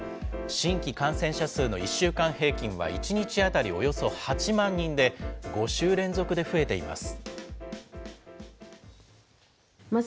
新規感染者数の１週間平均は１日当たりおよそ８万人で、５週連続で増えています。